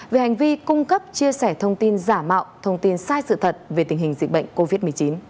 về hành vi cung cấp chia sẻ thông tin giả mạo thông tin sai sự thật về tình hình dịch bệnh covid một mươi chín